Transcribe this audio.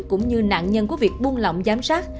cũng như nạn nhân của việc buông lỏng giám sát